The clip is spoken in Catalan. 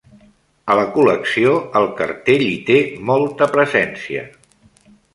A la col·lecció, el cartell hi té molta presència.